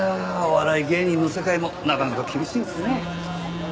お笑い芸人の世界もなかなか厳しいんですね。